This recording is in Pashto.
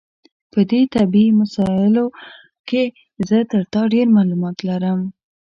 په دې طبي مسایلو کې زه تر تا ډېر معلومات لرم.